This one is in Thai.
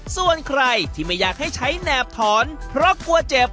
ส่วนใครที่ไม่อยากให้ใช้แหนบถอนเพราะกลัวเจ็บ